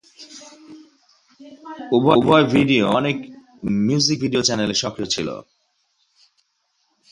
উভয় ভিডিও অনেক music video চ্যানেলে সক্রিয় ছিল।